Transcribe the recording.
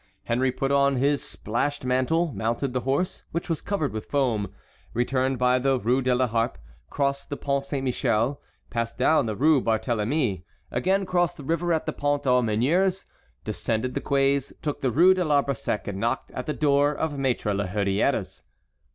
Henry put on his splashed mantle, mounted the horse, which was covered with foam, returned by the Rue de la Harpe, crossed the Pont Saint Michel, passed down the Rue Barthélemy, again crossed the river at the Pont aux Meuniers, descended the quays, took the Rue de l'Arbre Sec, and knocked at the door of Maître la Hurière's.